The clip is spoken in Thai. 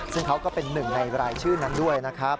ซึ่งเขาก็เป็นหนึ่งในรายชื่อนั้นด้วยนะครับ